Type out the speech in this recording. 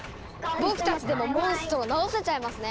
僕たちでもモンストロ治せちゃいますね。